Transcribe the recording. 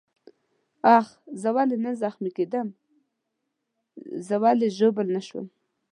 آخ، زه ولې نه زخمي کېدم؟ زه ولې ژوبل نه شوم؟